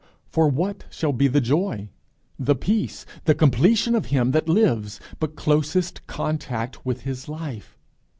For what shall be the joy, the peace, the completion of him that lives, but closest contact with his Life?